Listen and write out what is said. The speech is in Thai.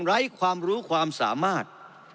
ไร้ความรู้ความสามารถ